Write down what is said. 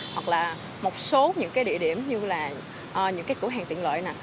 hoặc là một số những cái địa điểm như là những cái cửa hàng tiện lợi nè